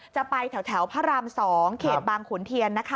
จะไปแถวพระราม๒เขตบางขุนเทียนนะคะ